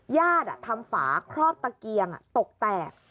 ญาติอ่ะทำฝากครอบตะเกียงอ่ะตกแตก